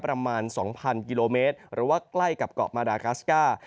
ประมาณ๒๐๐กิโลเมตรหรือว่าใกล้กับเกาะมาดากาสก้า